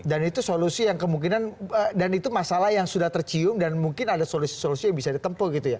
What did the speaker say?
dan itu solusi yang kemungkinan dan itu masalah yang sudah tercium dan mungkin ada solusi solusi yang bisa ditempel gitu ya